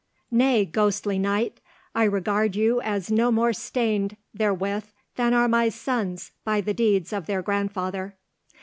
"Nay, ghostly knight, I regard you as no more stained therewith than are my sons by the deeds of their grandfather."